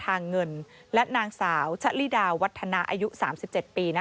เงินและนางสาวชะลิดาวัฒนาอายุ๓๗ปี